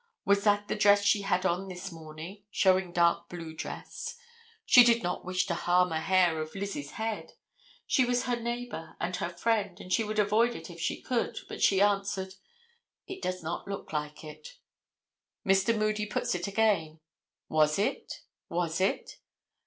Was that the dress she had on this morning (showing dark blue dress?) She did not wish to harm a hair of Lizzie's head. She was her neighbor and her friend, and she would avoid it if she could. But she answered, "It does not look like it." Mr. Moody puts it again: "Was it, was it?"